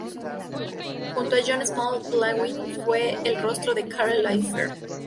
Junto a Joan Smalls, Baldwin fue el rostro de Karl Lagerfeld.